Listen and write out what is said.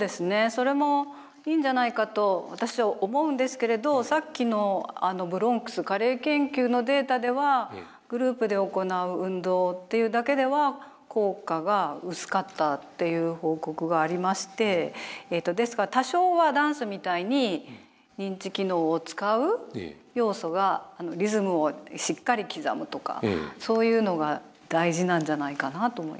それもいいんじゃないかと私は思うんですけれどさっきのブロンクス加齢研究のデータではグループで行う運動っていうだけでは効果が薄かったっていう報告がありましてですから多少はダンスみたいに認知機能を使う要素がリズムをしっかり刻むとかそういうのが大事なんじゃないかなと思いますけど。